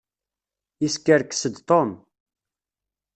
Yeskerkes-d Tom.